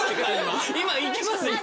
いきます？